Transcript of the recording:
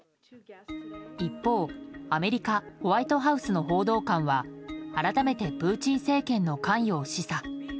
一方、アメリカホワイトハウスの報道官は改めてプーチン政権の関与を示唆。